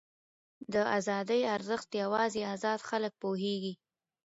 د ازادۍ ارزښت یوازې ازاد خلک پوهېږي.